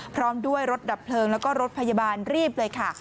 พร้อมด้วยรถดับเพลิงแล้วก็รถพยาบาลรีบเลยค่ะ